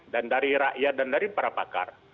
dan dari rakyat dan dari para pakar